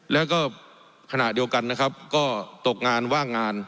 แล้วก็ขณะเดียวกันนะครับก็ตกงานว่างงาน